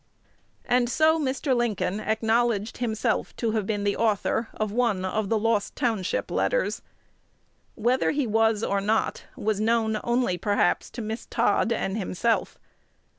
And so Mr. Lincoln acknowledged himself to have been the author of one of the "Lost Township Letters." Whether he was or not, was known only perhaps to Miss Todd and himself.